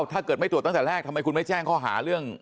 ถ้าเกิดไม่ตรวจตั้งแต่แรกทำไมคุณไม่แจ้งข้อหาเรื่อง